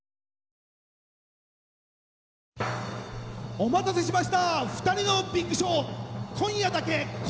お待たせしました「ふたりのビッグショー」